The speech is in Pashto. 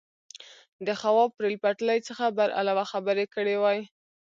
د خواف ریل پټلۍ څخه برعلاوه خبرې کړې وای.